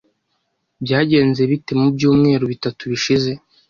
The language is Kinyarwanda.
Byagenze bite mu byumweru bitatu bishize?